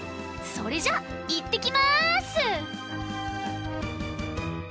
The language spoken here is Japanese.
それじゃあいってきます！